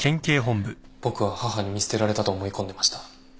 僕は母に見捨てられたと思い込んでました。